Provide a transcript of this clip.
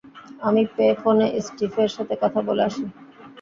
আমি পে ফোনে স্টিফের সাথে কথা বলে আসি।